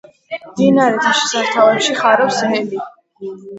მდინარეთა შესართავებში ხარობს ლელი.